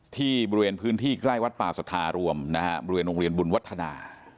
ที่บริเวณพื้นที่ใกล้วัดป่าสัทธารวมนะฮะบริเวณโรงเรียนบุญวัฒนา